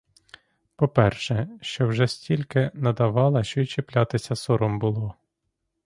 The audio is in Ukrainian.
По-перше, що вже стільки надавала, що й чіплятися сором було.